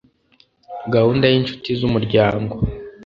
Gahunda y inshuti z umuryango